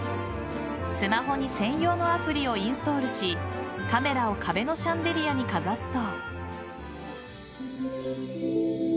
スマホに専用のアプリをインストールしカメラを壁のシャンデリアにかざすと。